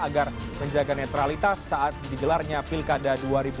agar menjaga netralitas saat digelarnya pilkada dua ribu dua puluh